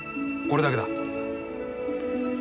これだけだ。